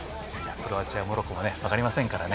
クロアチアモロッコも分かりませんからね。